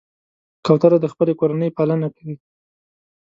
کوتره د خپلې کورنۍ پالنه کوي.